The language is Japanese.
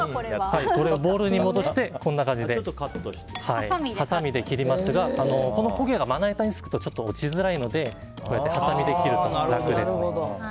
では、ボウルに戻してこんな感じではさみで切りますがこの焦げがまな板につくと落ちづらいのではさみで切ると楽ですね。